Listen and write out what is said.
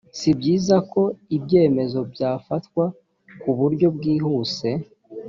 si byiza ko ibyemezo byafatwa ku buryo bwihuse